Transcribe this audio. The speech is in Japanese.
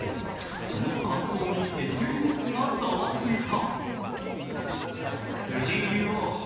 その感想にＳＮＳがざわついた。